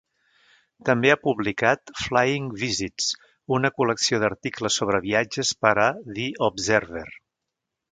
També ha publicat "Flying Visits", una col·lecció d'articles sobre viatges per a "The Observer".